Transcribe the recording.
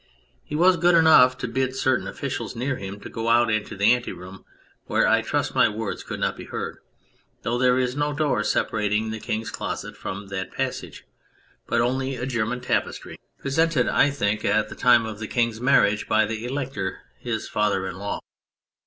He was good enough to bid certain officials near him to go out into the ante room, where I trust my words could not be heard, though there is no door separating the King's closet from that passage, but only a German tapestry, pre 89 On Anything sented, I think, at the time of the King's marriage by the Elector, his father in law.